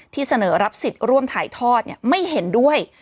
เสนอรับสิทธิ์ร่วมถ่ายทอดไม่เห็นด้วย